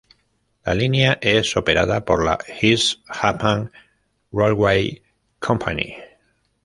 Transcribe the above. La línea es operada por la East Japan Railway Company.